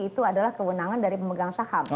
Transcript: itu adalah kewenangan dari pemegang saham